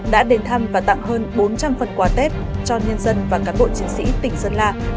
đã đến thăm và tặng hơn bốn trăm linh phần quà tết cho nhân dân và cán bộ chiến sĩ tỉnh sơn la